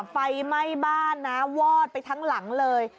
ไฟไหม้บ้านนะวอดไปทั้งหลังเลย